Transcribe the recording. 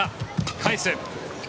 返す。